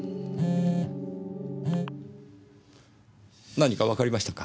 何かわかりましたか？